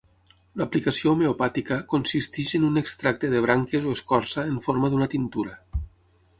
L'aplicació homeopàtica consisteix en un extracte de branques o escorça en forma d'una tintura.